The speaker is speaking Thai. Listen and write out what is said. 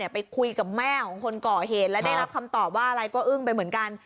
ไปคุยกับแม่ของคนก่อเหตุแล้วได้รับคำตอบว่าอะไรก็อึ้งไปเหมือนกัน